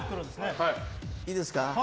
いいですか？